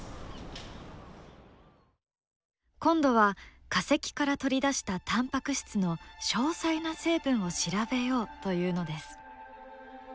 今度は化石から取り出したタンパク質の詳細な成分を調べようというのです。